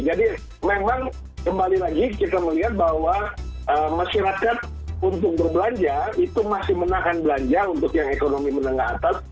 memang kembali lagi kita melihat bahwa masyarakat untuk berbelanja itu masih menahan belanja untuk yang ekonomi menengah atas